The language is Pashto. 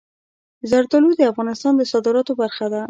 زردالو د افغانستان د صادراتو برخه ده.